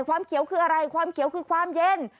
ความเขียวคืออะไรความเขียวคือความเย็น